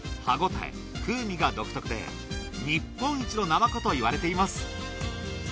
歯ごたえ風味が独特で日本一のナマコといわれています。